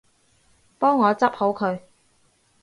幫我執好佢